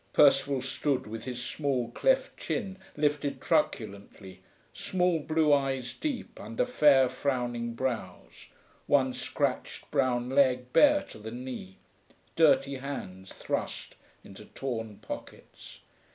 Percival stood with his small cleft chin lifted truculently, small blue eyes deep under fair, frowning brows, one scratched brown leg bare to the knee, dirty hands thrust into torn pockets.